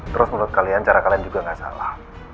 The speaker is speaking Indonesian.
terus menurut kalian cara kalian juga gak salah